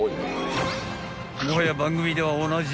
［もはや番組ではおなじみ］